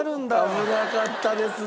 危なかったですね。